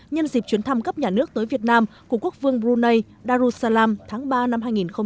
nhân dịp chuyến thăm cấp nhà nước tới việt nam của quốc vương brunei darussalam tháng ba năm hai nghìn hai mươi